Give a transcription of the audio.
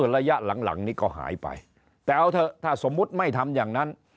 ระยะหลังหลังนี้ก็หายไปแต่เอาเถอะถ้าสมมุติไม่ทำอย่างนั้น